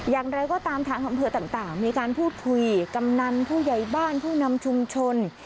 อย่างไรก็ตามทางอำเภอต่างมีการพูดคุยกำนันผู้ใหญ่บ้านผู้นำชุมชน